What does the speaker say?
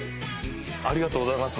ありがとうございます。